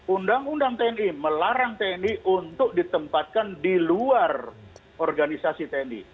undang undang tni melarang tni untuk ditempatkan di luar organisasi tni